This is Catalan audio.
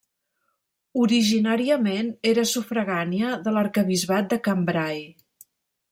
Originàriament era sufragània de l'arquebisbat de Cambrai.